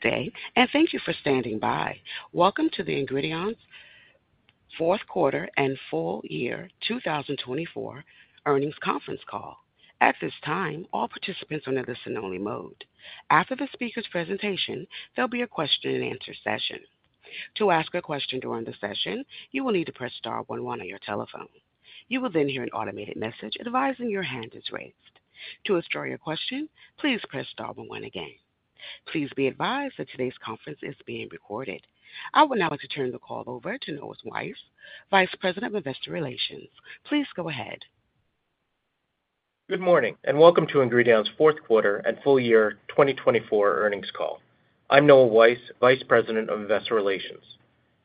Good day, and thank you for standing by. Welcome to the Ingredion Fourth Quarter and Full Year 2024 earnings conference Call. At this time, all participants are in a listen-only mode. After the speaker's presentation, there'll be a question-and-answer session. To ask a question during the session, you will need to press star one one on your telephone. You will then hear an automated message advising your hand is raised. To ask your question, please press star 11 again. Please be advised that today's conference is being recorded. I would now like to turn the call over to Noah Weiss, Vice President of Investor Relations. Please go ahead. Good morning, and welcome to Ingredion Fourth Quarter and Full Year 2024 Earnings Call. I'm Noah Weiss, Vice President of Investor Relations.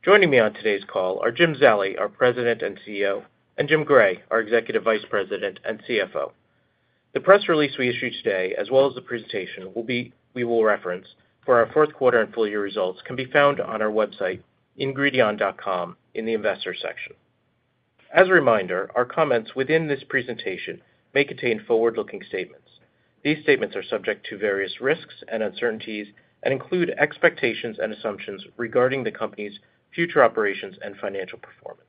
Joining me on today's call are Jim Zallie, our President and CEO, and Jim Gray, our Executive Vice President and CFO. The press release we issue today, as well as the presentation we will reference for our Fourth Quarter and Full Year results, can be found on our website, ingredion.com, in the Investor section. As a reminder, our comments within this presentation may contain forward-looking statements. These statements are subject to various risks and uncertainties and include expectations and assumptions regarding the company's future operations and financial performance.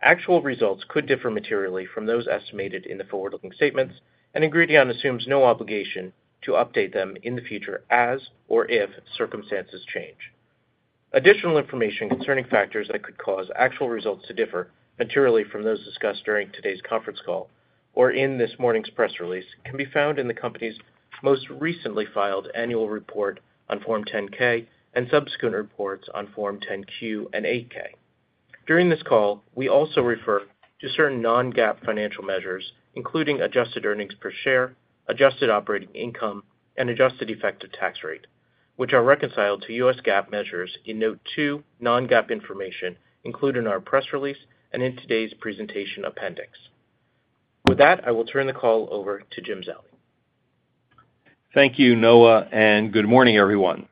Actual results could differ materially from those estimated in the forward-looking statements, and Ingredion assumes no obligation to update them in the future as or if circumstances change. Additional information concerning factors that could cause actual results to differ materially from those discussed during today's conference call or in this morning's press release can be found in the company's most recently filed annual report on Form 10-K and subsequent reports on Form 10-Q and Form 8-K. During this call, we also refer to certain non-GAAP financial measures, including adjusted earnings per share, adjusted operating income, and adjusted effective tax rate, which are reconciled to U.S. GAAP measures in Note 2, non-GAAP information included in our press release and in today's presentation appendix. With that, I will turn the call over to Jim Zallie. Thank you, Noah, and good morning, everyone.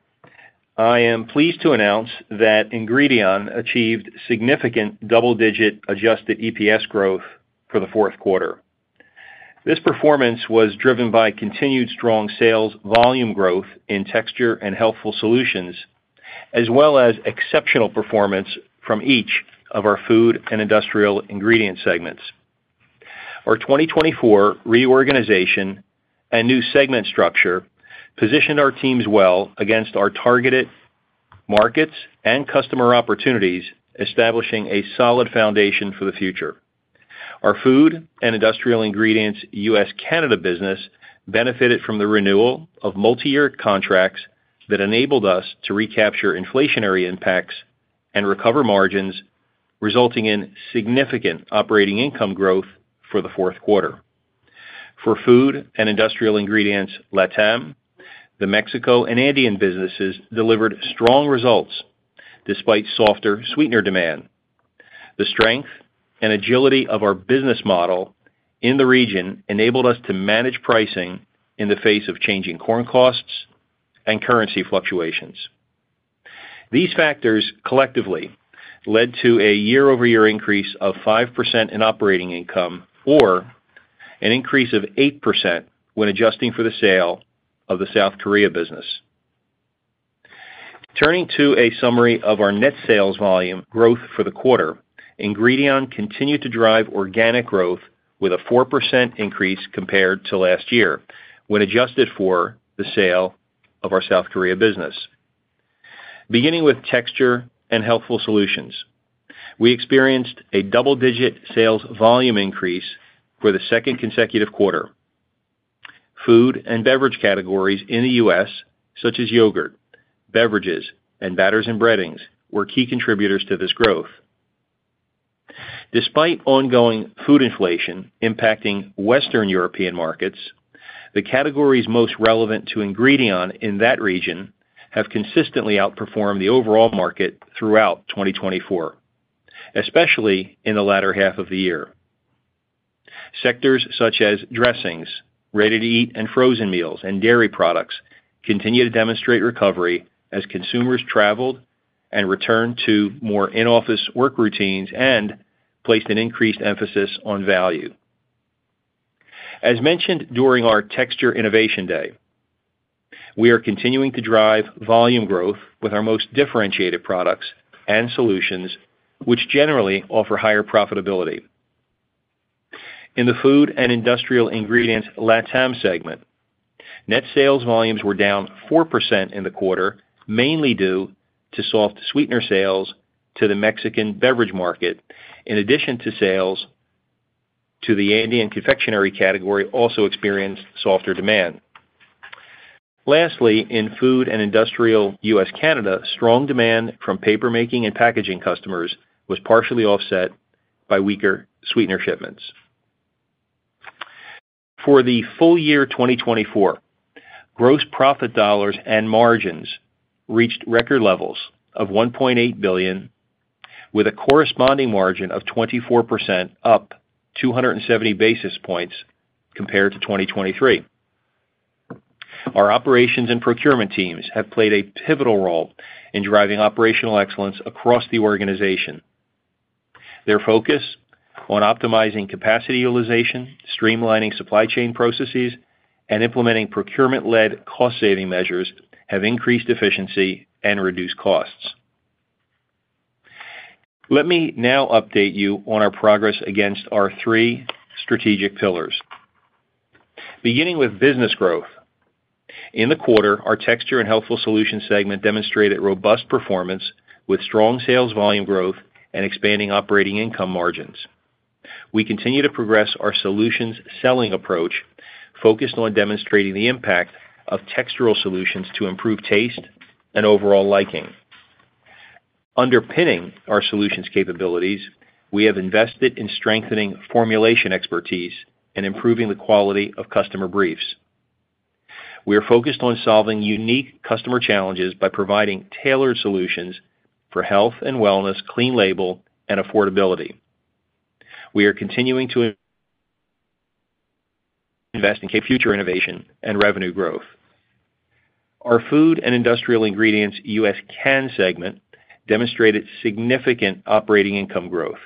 I am pleased to announce that Ingredion achieved significant double-digit Adjusted EPS growth for the fourth quarter. This performance was driven by continued strong sales volume growth in Texture and Healthful Solutions, as well as exceptional performance from each of our Food and Industrial Ingredients segments. Our 2024 reorganization and new segment structure positioned our teams well against our targeted markets and customer opportunities, establishing a solid foundation for the future. Our Food and Industrial Ingredients U.S./ Canada business benefited from the renewal of multi-year contracts that enabled us to recapture inflationary impacts and recover margins, resulting in significant operating income growth for the fourth quarter. For Food and Industrial Ingredients LATAM, the Mexico and Andean businesses delivered strong results despite softer sweetener demand. The strength and agility of our business model in the region enabled us to manage pricing in the face of changing corn costs and currency fluctuations. These factors collectively led to a year-over-year increase of 5% in operating income or an increase of 8% when adjusting for the sale of the South Korea business. Turning to a summary of our net sales volume growth for the quarter, Ingredion continued to drive organic growth with a 4% increase compared to last year when adjusted for the sale of our South Korea business. Beginning with Texture and Healthful Solutions, we experienced a double-digit sales volume increase for the second consecutive quarter. Food and beverage categories in the U.S., such as yogurt, beverages, and batters and breadings, were key contributors to this growth. Despite ongoing food inflation impacting Western European markets, the categories most relevant to Ingredion in that region have consistently outperformed the overall market throughout 2024, especially in the latter half of the year. Sectors such as dressings, ready-to-eat and frozen meals, and dairy products continue to demonstrate recovery as consumers traveled and returned to more in-office work routines and placed an increased emphasis on value. As mentioned during our Texture Innovation Day, we are continuing to drive volume growth with our most differentiated products and solutions, which generally offer higher profitability. In the Food and Industrial Ingredients Latam segment, net sales volumes were down 4% in the quarter, mainly due to soft sweetener sales to the Mexican beverage market. In addition, sales to the Andean confectionery category also experienced softer demand. Lastly, in Food and Industrial, U.S./Canada, strong demand from paper-making and packaging customers was partially offset by weaker sweetener shipments. For the full year 2024, gross profit dollars and margins reached record levels of $1.8 billion, with a corresponding margin of 24%, up 270 basis points compared to 2023. Our operations and procurement teams have played a pivotal role in driving operational excellence across the organization. Their focus on optimizing capacity utilization, streamlining supply chain processes, and implementing procurement-led cost-saving measures have increased efficiency and reduced costs. Let me now update you on our progress against our three strategic pillars. Beginning with business growth, in the quarter, our Texture and Healthful Solutions segment demonstrated robust performance with strong sales volume growth and expanding operating income margins. We continue to progress our solutions selling approach, focused on demonstrating the impact of textural solutions to improve taste and overall liking. Underpinning our solutions capabilities, we have invested in strengthening formulation expertise and improving the quality of customer briefs. We are focused on solving unique customer challenges by providing tailored solutions for health and wellness, Clean Label, and affordability. We are continuing to invest in future innovation and revenue growth. Our Food and Industrial Ingredients U.S./Canada segment demonstrated significant operating income growth.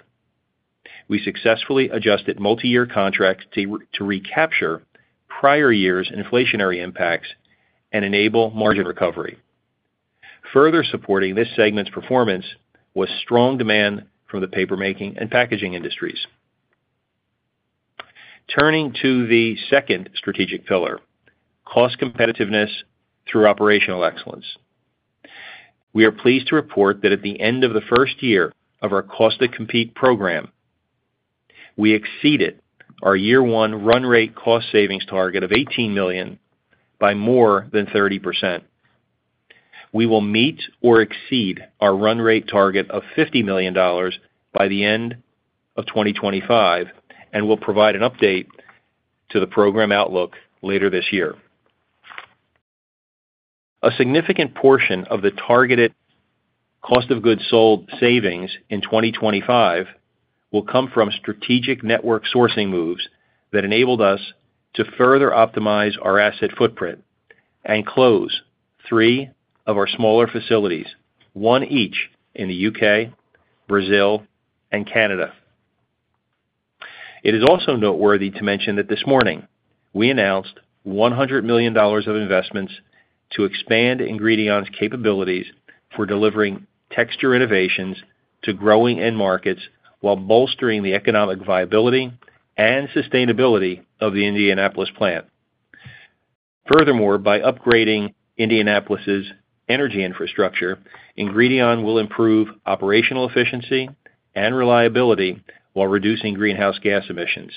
We successfully adjusted multi-year contracts to recapture prior years' inflationary impacts and enable margin recovery. Further supporting this segment's performance was strong demand from the paper-making and packaging industries. Turning to the second strategic pillar, cost competitiveness through operational excellence. We are pleased to report that at the end of the first year of our Cost-to-Compete program, we exceeded our year-one run rate cost savings target of $18 million by more than 30%. We will meet or exceed our run rate target of $50 million by the end of 2025 and will provide an update to the program outlook later this year. A significant portion of the targeted cost of goods sold savings in 2025 will come from strategic network sourcing moves that enabled us to further optimize our asset footprint and close three of our smaller facilities, one each in the U.K., Brazil, and Canada. It is also noteworthy to mention that this morning we announced $100 million of investments to expand Ingredion's capabilities for delivering texture innovations to growing end markets while bolstering the economic viability and sustainability of the Indianapolis plant. Furthermore, by upgrading Indianapolis's energy infrastructure, Ingredion will improve operational efficiency and reliability while reducing greenhouse gas emissions.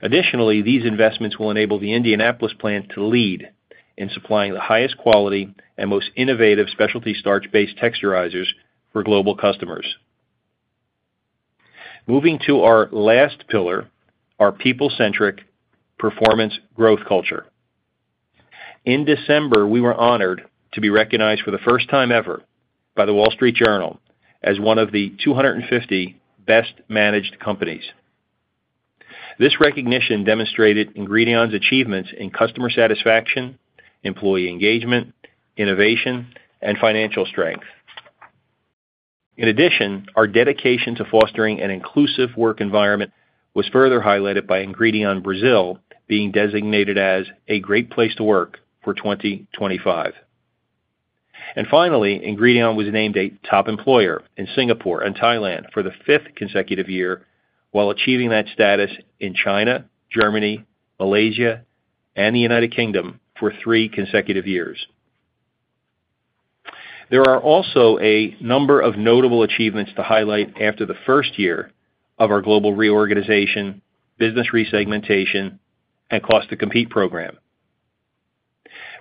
Additionally, these investments will enable the Indianapolis plant to lead in supplying the highest quality and most innovative specialty starch-based texturizers for global customers. Moving to our last pillar, our people-centric performance growth culture. In December, we were honored to be recognized for the first time ever by The Wall Street Journal as one of the 250 best-managed companies. This recognition demonstrated Ingredion's achievements in customer satisfaction, employee engagement, innovation, and financial strength. In addition, our dedication to fostering an inclusive work environment was further highlighted by Ingredion Brazil being designated as a Great Place to Work for 2025. And finally, Ingredion was named a top employer in Singapore and Thailand for the fifth consecutive year, while achieving that status in China, Germany, Malaysia, and the United Kingdom for three consecutive years. There are also a number of notable achievements to highlight after the first year of our global reorganization, business resegmentation, and Cost-to-Compete program.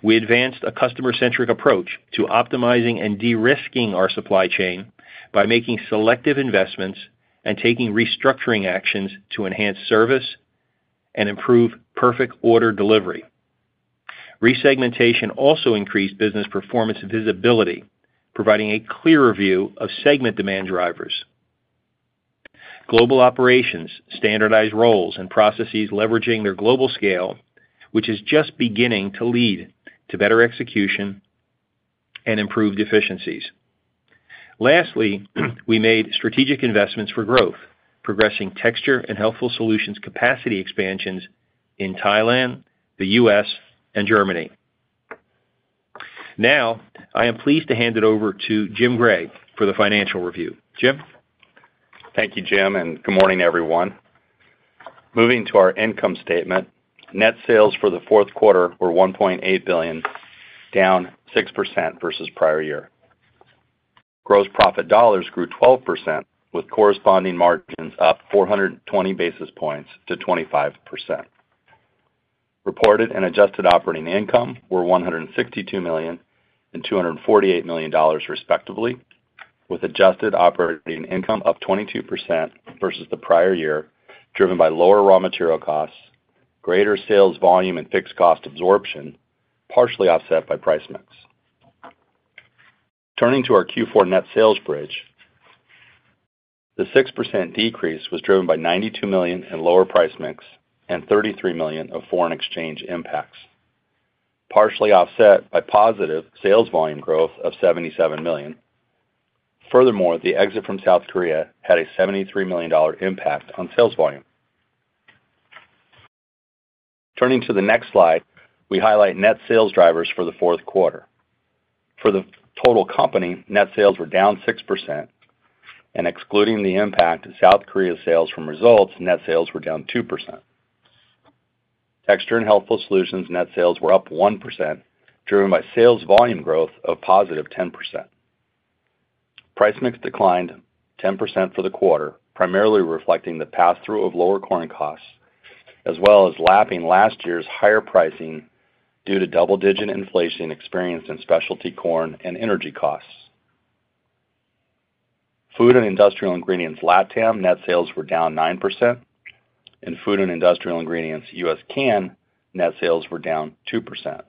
We advanced a customer-centric approach to optimizing and de-risking our supply chain by making selective investments and taking restructuring actions to enhance service and improve perfect order delivery. Resegmentation also increased business performance visibility, providing a clearer view of segment demand drivers. Global operations standardized roles and processes leveraging their global scale, which is just beginning to lead to better execution and improved efficiencies. Lastly, we made strategic investments for growth, progressing texture and healthful solutions capacity expansions in Thailand, the U.S., and Germany. Now, I am pleased to hand it over to Jim Gray for the financial review. Jim? Thank you, Jim, and good morning, everyone. Moving to our income statement, net sales for the fourth quarter were $1.8 billion, down 6% versus prior year. Gross profit dollars grew 12%, with corresponding margins up 420 basis points to 25%. Reported and adjusted operating income were $162 million and $248 million, respectively, with adjusted operating income up 22% versus the prior year, driven by lower raw material costs, greater sales volume, and fixed cost absorption, partially offset by price mix. Turning to our Q4 net sales bridge, the 6% decrease was driven by $92 million in lower price mix and $33 million of foreign exchange impacts, partially offset by positive sales volume growth of $77 million. Furthermore, the exit from South Korea had a $73 million impact on sales volume. Turning to the next slide, we highlight net sales drivers for the fourth quarter. For the total company, net sales were down 6%, and excluding the impact of South Korea's sales from results, net sales were down 2%. Texture and Healthful Solutions net sales were up 1%, driven by sales volume growth of positive 10%. Price mix declined 10% for the quarter, primarily reflecting the pass-through of lower corn costs, as well as lapping last year's higher pricing due to double-digit inflation experienced in specialty corn and energy costs. Food and Industrial Ingredients LATAM net sales were down 9%, and Food and Industrial Ingredients U.S./Canada net sales were down 2%.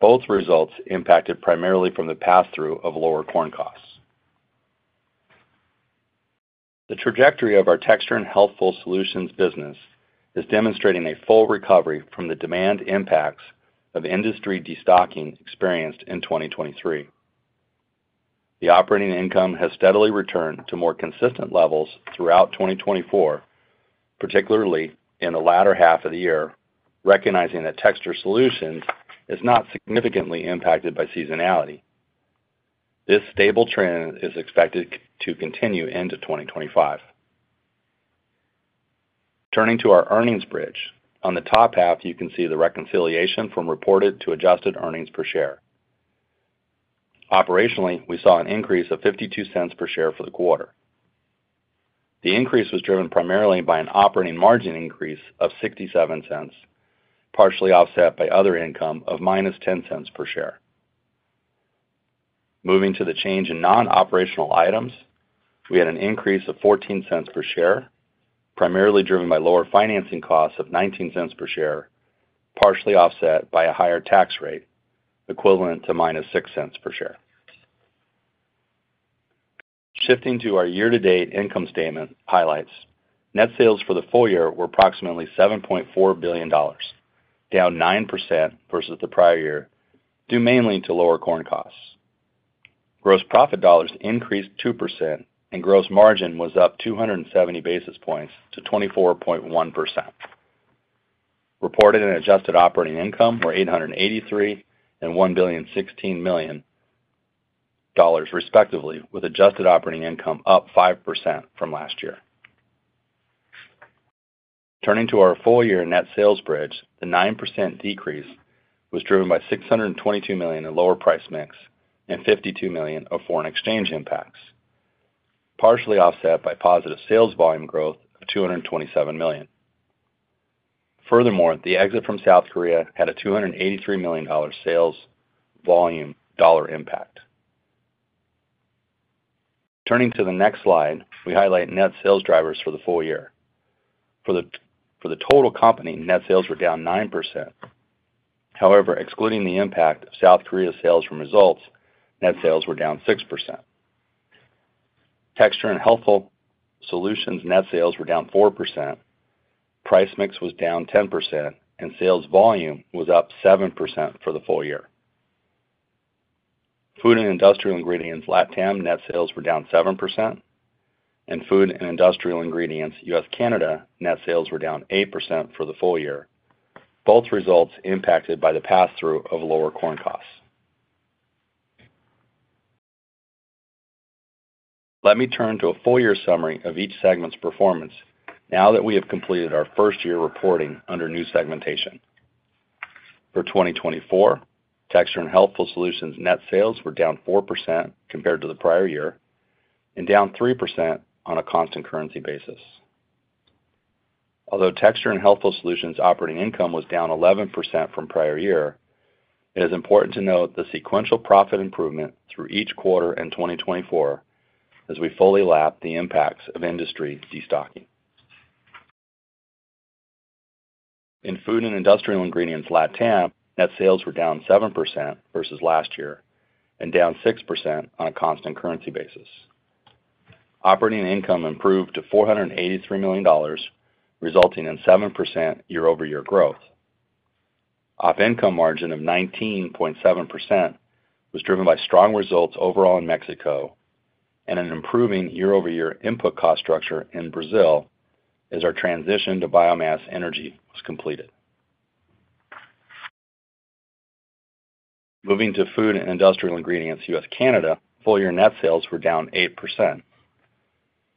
Both results impacted primarily from the pass-through of lower corn costs. The trajectory of our Texture and Healthful Solutions business is demonstrating a full recovery from the demand impacts of industry destocking experienced in 2023. The operating income has steadily returned to more consistent levels throughout 2024, particularly in the latter half of the year, recognizing that texture solutions is not significantly impacted by seasonality. This stable trend is expected to continue into 2025. Turning to our earnings bridge, on the top half, you can see the reconciliation from reported to adjusted earnings per share. Operationally, we saw an increase of $0.52 per share for the quarter. The increase was driven primarily by an operating margin increase of $0.67, partially offset by other income of minus $0.10 per share. Moving to the change in non-operational items, we had an increase of $0.14 per share, primarily driven by lower financing costs of $0.19 per share, partially offset by a higher tax rate equivalent to minus $0.06 per share. Shifting to our year-to-date income statement highlights net sales for the full year were approximately $7.4 billion, down 9% versus the prior year, due mainly to lower corn costs. Gross profit dollars increased 2%, and gross margin was up 270 basis points to 24.1%. Reported and adjusted operating income were $883 million and $1.016 billion, respectively, with adjusted operating income up 5% from last year. Turning to our full year net sales bridge, the 9% decrease was driven by $622 million in lower price mix and $52 million of foreign exchange impacts, partially offset by positive sales volume growth of $227 million. Furthermore, the exit from South Korea had a $283 million sales volume dollar impact. Turning to the next slide, we highlight net sales drivers for the full year. For the total company, net sales were down 9%. However, excluding the impact of South Korea's sales from results, net sales were down 6%. Texture and Healthful Solutions net sales were down 4%, price mix was down 10%, and sales volume was up 7% for the full year. Food and Industrial Ingredients Latam net sales were down 7%, and Food and Industrial Ingredients U.S., Canada net sales were down 8% for the full year, both results impacted by the pass-through of lower corn costs. Let me turn to a full year summary of each segment's performance now that we have completed our first year reporting under new segmentation. For 2024, Texture and Healthful Solutions net sales were down 4% compared to the prior year and down 3% on a constant currency basis. Although Texture and Healthful Solutions operating income was down 11% from prior year, it is important to note the sequential profit improvement through each quarter in 2024 as we fully lapped the impacts of industry destocking. In Food and Industrial Ingredients Latam, net sales were down 7% versus last year and down 6% on a constant currency basis. Operating income improved to $483 million, resulting in 7% year-over-year growth. Operating income margin of 19.7% was driven by strong results overall in Mexico and an improving year-over-year input cost structure in Brazil as our transition to biomass energy was completed. Moving to Food and Industrial Ingredients U.S. Canada, full-year net sales were down 8%.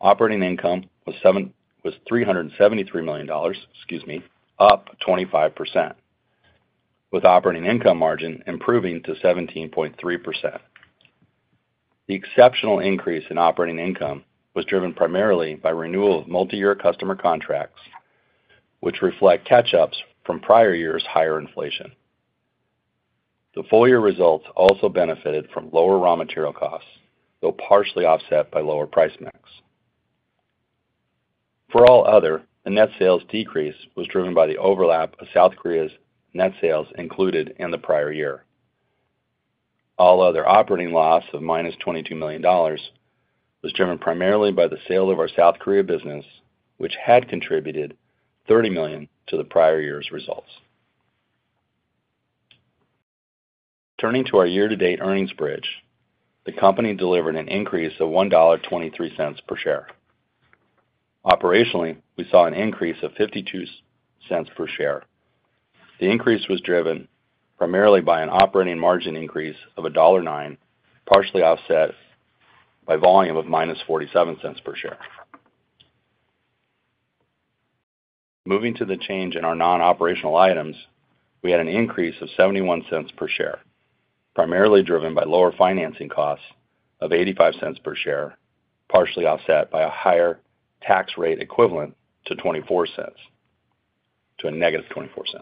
Operating income was $373 million, up 25%, with operating income margin improving to 17.3%. The exceptional increase in operating income was driven primarily by renewal of multi-year customer contracts, which reflect catch-ups from prior year's higher inflation. The full year results also benefited from lower raw material costs, though partially offset by lower price mix. For All Other, the net sales decrease was driven by the overlap of South Korea's net sales included in the prior year. All Other operating loss of minus $22 million was driven primarily by the sale of our South Korea business, which had contributed $30 million to the prior year's results. Turning to our year-to-date earnings bridge, the company delivered an increase of $1.23 per share. Operationally, we saw an increase of $0.52 per share. The increase was driven primarily by an operating margin increase of $1.09, partially offset by volume of minus $0.47 per share. Moving to the change in our non-operational items, we had an increase of $0.71 per share, primarily driven by lower financing costs of $0.85 per share, partially offset by a higher tax rate equivalent to $0.24 to a negative $0.24.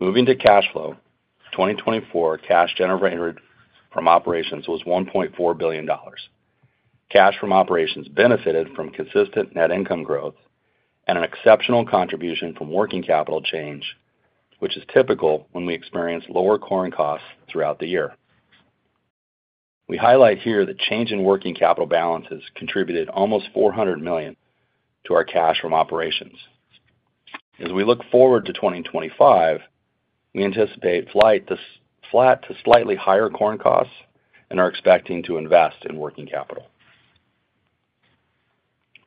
Moving to cash flow, 2024 cash generated from operations was $1.4 billion. Cash from operations benefited from consistent net income growth and an exceptional contribution from working capital change, which is typical when we experience lower corn costs throughout the year. We highlight here the change in working capital balances contributed almost $400 million to our cash from operations. As we look forward to 2025, we anticipate flat to slightly higher corn costs and are expecting to invest in working capital.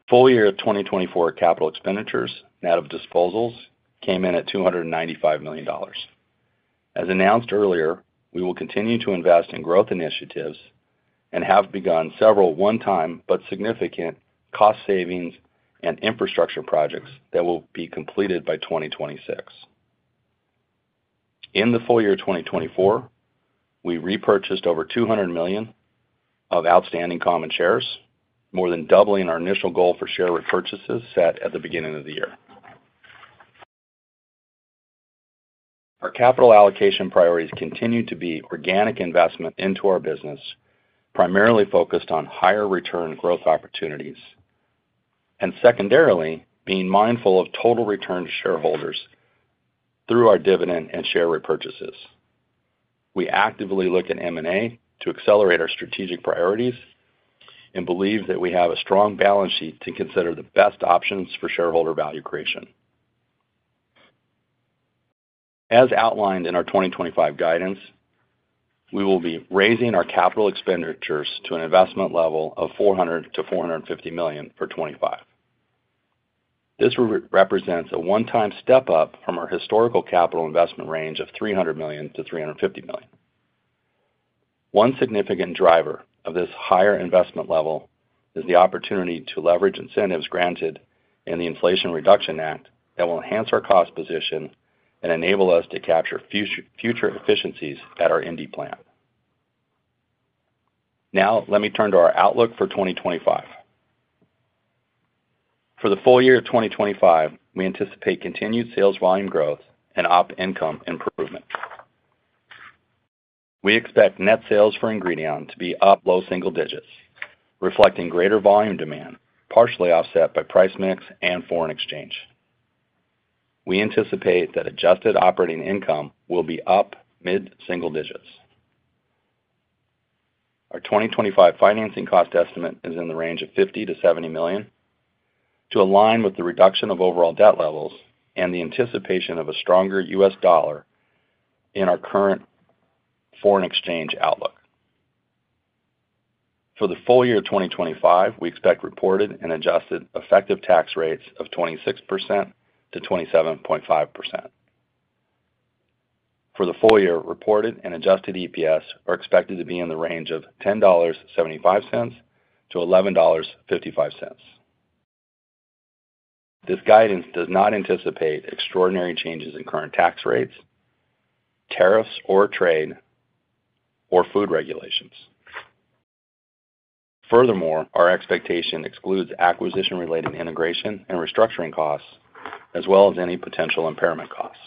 Full year 2024 capital expenditures net of disposals came in at $295 million. As announced earlier, we will continue to invest in growth initiatives and have begun several one-time but significant cost savings and infrastructure projects that will be completed by 2026. In the full year 2024, we repurchased over $200 million of outstanding common shares, more than doubling our initial goal for share repurchases set at the beginning of the year. Our capital allocation priorities continue to be organic investment into our business, primarily focused on higher return growth opportunities and secondarily being mindful of total return to shareholders through our dividend and share repurchases. We actively look at M&A to accelerate our strategic priorities and believe that we have a strong balance sheet to consider the best options for shareholder value creation. As outlined in our 2025 guidance, we will be raising our capital expenditures to an investment level of $400-$450 million for 2025. This represents a one-time step up from our historical capital investment range of $300 million-$350 million. One significant driver of this higher investment level is the opportunity to leverage incentives granted in the Inflation Reduction Act that will enhance our cost position and enable us to capture future efficiencies at our Indianapolis plant. Now, let me turn to our outlook for 2025. For the full year of 2025, we anticipate continued sales volume growth and operating income improvement. We expect net sales for Ingredion to be up low single digits, reflecting greater volume demand, partially offset by price mix and foreign exchange. We anticipate that adjusted operating income will be up mid-single digits. Our 2025 financing cost estimate is in the range of $50-$70 million to align with the reduction of overall debt levels and the anticipation of a stronger U.S. dollar in our current foreign exchange outlook. For the full year 2025, we expect reported and adjusted effective tax rates of 26%-27.5%. For the full year, reported and adjusted EPS are expected to be in the range of $10.75-$11.55. This guidance does not anticipate extraordinary changes in current tax rates, tariffs or trade, or food regulations. Furthermore, our expectation excludes acquisition-related integration and restructuring costs, as well as any potential impairment costs.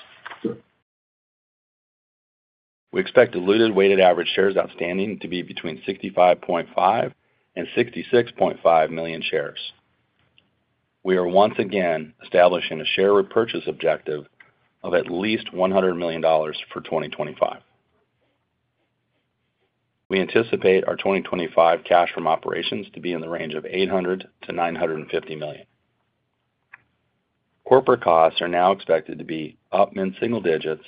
We expect diluted weighted average shares outstanding to be between $65.5 million and $66.5 million shares. We are once again establishing a share repurchase objective of at least $100 million for 2025. We anticipate our 2025 cash from operations to be in the range of $800-$950 million. Corporate costs are now expected to be up mid-single digits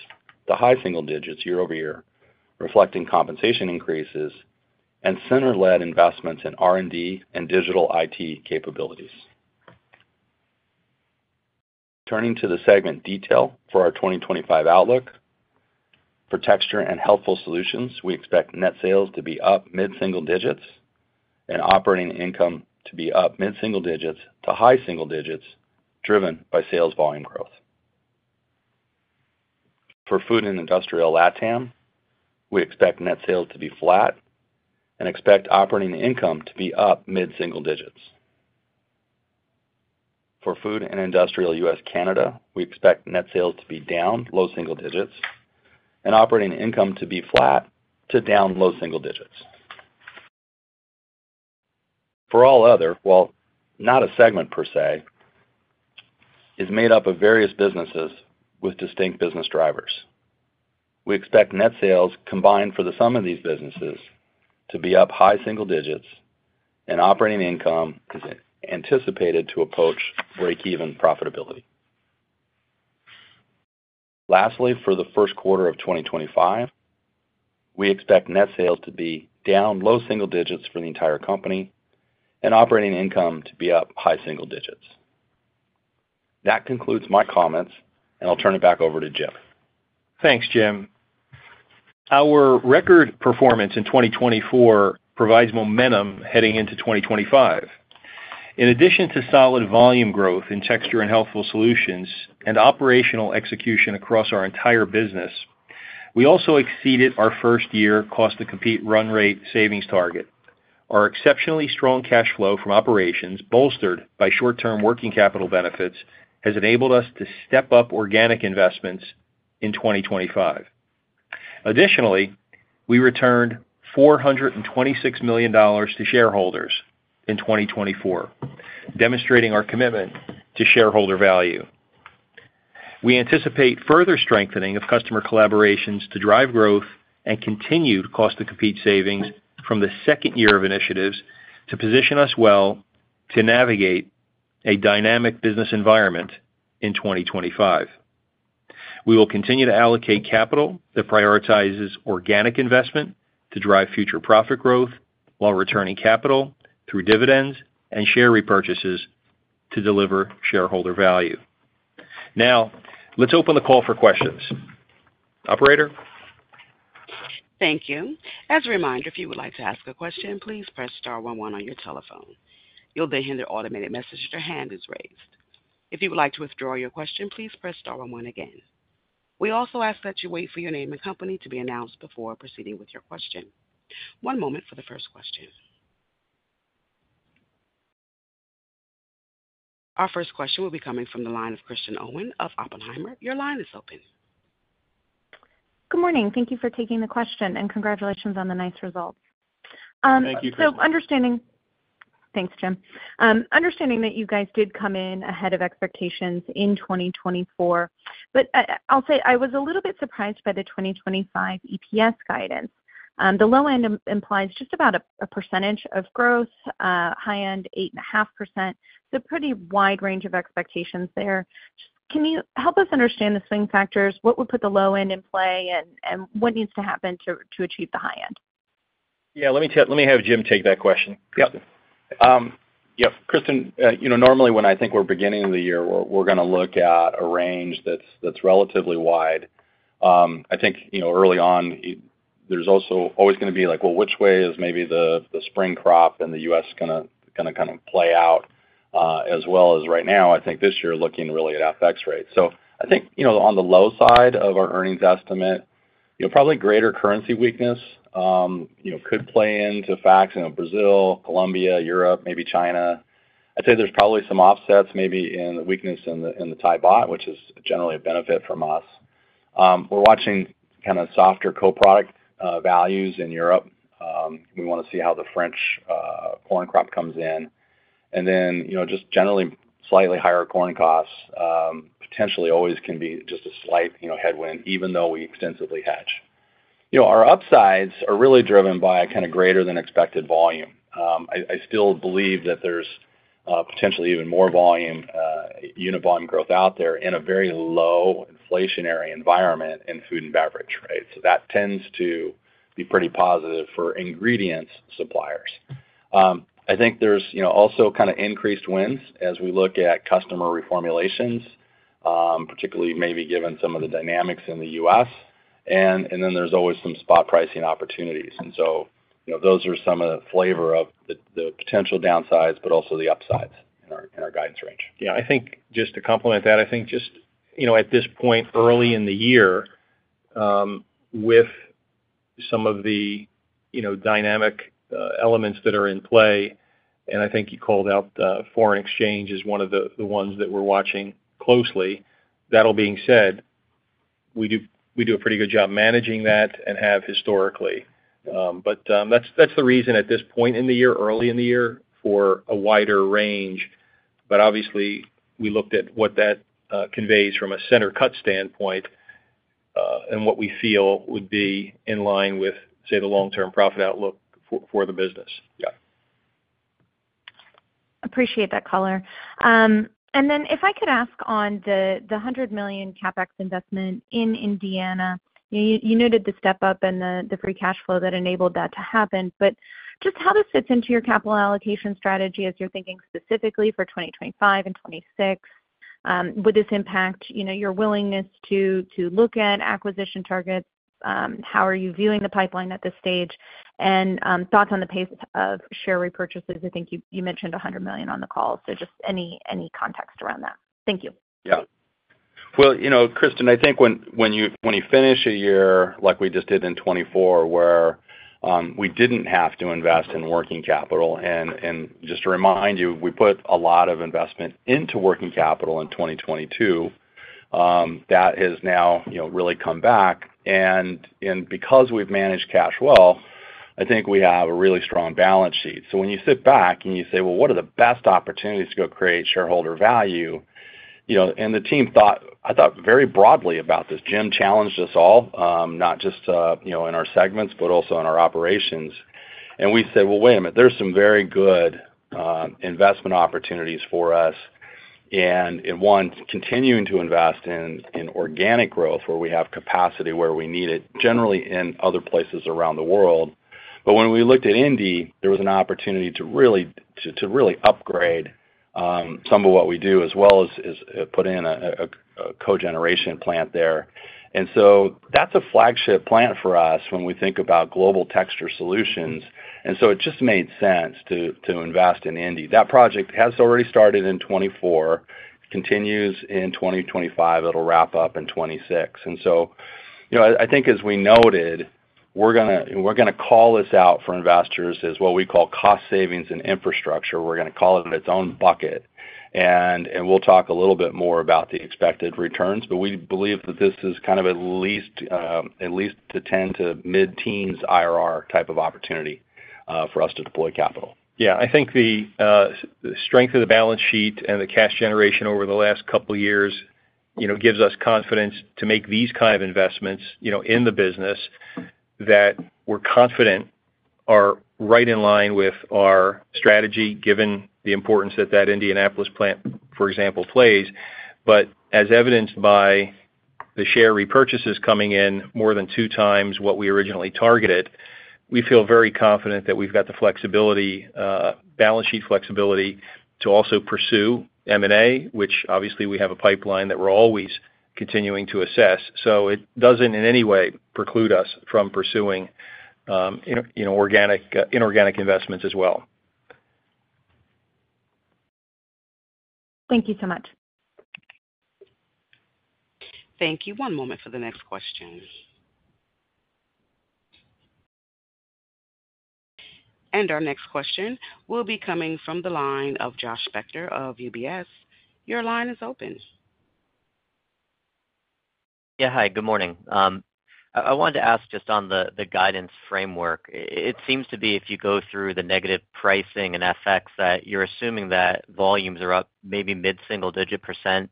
to high single digits year-over-year, reflecting compensation increases and center-led investments in R&D and digital IT capabilities. Turning to the segment detail for our 2025 outlook, for Texture and Healthful Solutions, we expect net sales to be up mid-single digits and operating income to be up mid-single digits to high single digits driven by sales volume growth. For food and industrial Latam, we expect net sales to be flat and expect operating income to be up mid-single digits. For Food and Industrial U.S./Canada, we expect net sales to be down low single digits and operating income to be flat to down low single digits. For all other, while not a segment per se, is made up of various businesses with distinct business drivers, we expect net sales combined for the sum of these businesses to be up high single digits and operating income is anticipated to approach break-even profitability. Lastly, for the first quarter of 2025, we expect net sales to be down low single digits for the entire company and operating income to be up high single digits. That concludes my comments, and I'll turn it back over to Jim. Thanks, Jim. Our record performance in 2024 provides momentum heading into 2025. In addition to solid volume growth in Texture and Healthful Solutions and operational execution across our entire business, we also exceeded our first year Cost-to-Compete run rate savings target. Our exceptionally strong cash flow from operations, bolstered by short-term working capital benefits, has enabled us to step up organic investments in 2025. Additionally, we returned $426 million to shareholders in 2024, demonstrating our commitment to shareholder value. We anticipate further strengthening of customer collaborations to drive growth and continued Cost-to-Compete savings from the second year of initiatives to position us well to navigate a dynamic business environment in 2025. We will continue to allocate capital that prioritizes organic investment to drive future profit growth while returning capital through dividends and share repurchases to deliver shareholder value. Now, let's open the call for questions. Operator. Thank you. As a reminder, if you would like to ask a question, please press star one one on your telephone. You'll then hear the automated message that your hand is raised. If you would like to withdraw your question, please press star one one again. We also ask that you wait for your name and company to be announced before proceeding with your question. One moment for the first question. Our first question will be coming from the line of Kristen Owen of Oppenheimer. Your line is open. Good morning. Thank you for taking the question and congratulations on the nice results. Thank you, Kristen. Thanks, Jim. Understanding that you guys did come in ahead of expectations in 2024, but I'll say I was a little bit surprised by the 2025 EPS guidance. The low end implies just about a percentage of growth, high end 8.5%, so pretty wide range of expectations there. Can you help us understand the swing factors? What would put the low end in play and what needs to happen to achieve the high end? Yeah, let me have Jim take that question. Yep. Yep. Kristen, normally when I think we're beginning the year, we're going to look at a range that's relatively wide. I think early on, there's also always going to be like, well, which way is maybe the spring crop in the U.S. going to kind of play out, as well as right now, I think this year looking really at FX rates. So I think on the low side of our earnings estimate, probably greater currency weakness could play into effect in Brazil, Colombia, Europe, maybe China. I'd say there's probably some offsets maybe in the weakness in the Thai baht, which is generally a benefit for us. We're watching kind of softer co-product values in Europe. We want to see how the French corn crop comes in, and then just generally slightly higher corn costs potentially always can be just a slight headwind, even though we extensively hedge. Our upsides are really driven by kind of greater than expected volume. I still believe that there's potentially even more volume, unit volume growth out there in a very low inflationary environment in food and beverage, right? So that tends to be pretty positive for ingredients suppliers. I think there's also kind of increased wins as we look at customer reformulations, particularly maybe given some of the dynamics in the U.S. And then there's always some spot pricing opportunities. And so those are some of the flavor of the potential downsides, but also the upsides in our guidance range. Yeah, I think just to complement that, I think just at this point early in the year with some of the dynamic elements that are in play, and I think you called out the foreign exchange as one of the ones that we're watching closely. That all being said, we do a pretty good job managing that and have historically. But that's the reason at this point in the year, early in the year, for a wider range. But obviously, we looked at what that conveys from a center cut standpoint and what we feel would be in line with, say, the long-term profit outlook for the business. Yeah. Appreciate that, Color. And then if I could ask on the $100 million CapEx investment in Indiana, you noted the step up and the free cash flow that enabled that to happen. But just how this fits into your capital allocation strategy as you're thinking specifically for 2025 and 2026? Would this impact your willingness to look at acquisition targets? How are you viewing the pipeline at this stage? And thoughts on the pace of share repurchases? I think you mentioned $100 million on the call, so just any context around that. Thank you. Yeah. Well, Kristen, I think when you finish a year like we just did in 2024, where we didn't have to invest in working capital, and just to remind you, we put a lot of investment into working capital in 2022, that has now really come back, and because we've managed cash well, I think we have a really strong balance sheet, so when you sit back and you say, well, what are the best opportunities to go create shareholder value? And the team, I thought very broadly about this. Jim challenged us all, not just in our segments, but also in our operations, and we said, well, wait a minute, there's some very good investment opportunities for us. And one, continuing to invest in organic growth where we have capacity where we need it, generally in other places around the world. But when we looked at Indianapolis, there was an opportunity to really upgrade some of what we do, as well as put in a cogeneration plant there. And so that's a flagship plant for us when we think about global texture solutions. And so it just made sense to invest in Indianapolis. That project has already started in 2024, continues in 2025. It'll wrap up in 2026. And so I think as we noted, we're going to call this out for investors as what we call cost savings and infrastructure. We're going to call it its own bucket. We'll talk a little bit more about the expected returns, but we believe that this is kind of at least the 10 to mid-teens IRR type of opportunity for us to deploy capital. Yeah, I think the strength of the balance sheet and the cash generation over the last couple of years gives us confidence to make these kind of investments in the business that we're confident are right in line with our strategy, given the importance that that Indianapolis plant, for example, plays. But as evidenced by the share repurchases coming in more than two times what we originally targeted, we feel very confident that we've got the flexibility, balance sheet flexibility to also pursue M&A, which obviously we have a pipeline that we're always continuing to assess. So it doesn't in any way preclude us from pursuing inorganic investments as well. Thank you so much. Thank you. One moment for the next question. Our next question will be coming from the line of Josh Spector of UBS. Your line is open. Yeah, hi. Good morning. I wanted to ask just on the guidance framework. It seems to be if you go through the negative pricing and FX, that you're assuming that volumes are up maybe mid-single-digit %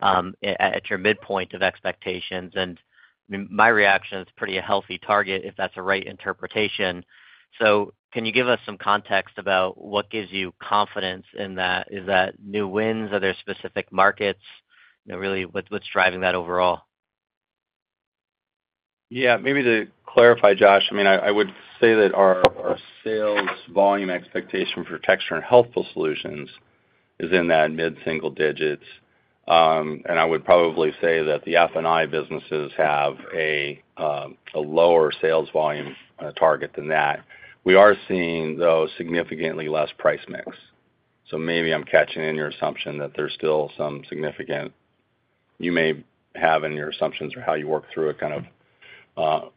at your midpoint of expectations. And my reaction is pretty healthy target if that's a right interpretation. So can you give us some context about what gives you confidence in that? Is that new wins? Are there specific markets? Really, what's driving that overall? Yeah, maybe to clarify, Josh, I mean, I would say that our sales volume expectation for Texture and Healthful Solutions is in that mid-single digits. And I would probably say that the F&I businesses have a lower sales volume target than that. We are seeing, though, significantly less price mix. So maybe I'm catching in your assumption that there's still some significant you may have in your assumptions or how you work through a kind of a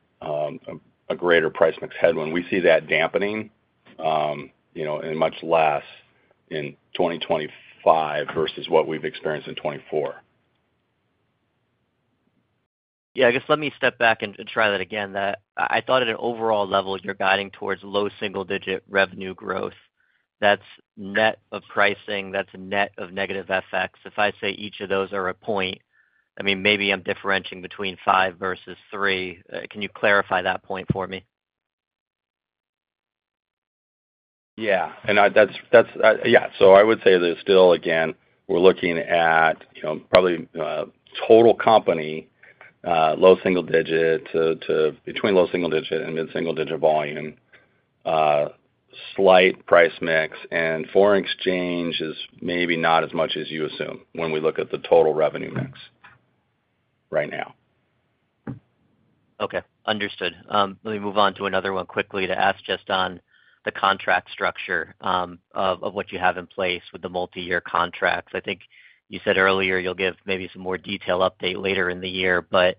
greater price mix headwind. We see that dampening and much less in 2025 versus what we've experienced in 2024. Yeah, I guess let me step back and try that again. I thought at an overall level, you're guiding towards low single-digit revenue growth. That's net of pricing. That's net of negative FX. If I say each of those are a point, I mean, maybe I'm differentiating between five versus three. Can you clarify that point for me?. Yeah, so I would say there's still, again, we're looking at probably total company, low single digit to between low single digit and mid-single digit volume, slight price mix, and foreign exchange is maybe not as much as you assume when we look at the total revenue mix right now. Okay. Understood. Let me move on to another one quickly to ask just on the contract structure of what you have in place with the multi-year contracts. I think you said earlier you'll give maybe some more detail update later in the year, but